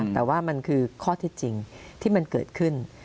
แต่ว่ามันคือข้อเท็จจริงที่มันเกิดขึ้น